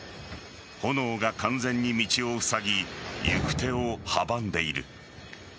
炎が完全に道をふさぎ行く手を阻んでいる。